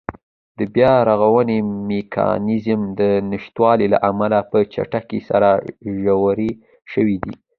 د بیا رغونې میکانېزم د نشتوالي له امله په چټکۍ سره ژورې شوې دي.